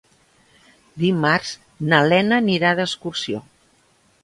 Dimarts na Lena anirà d'excursió.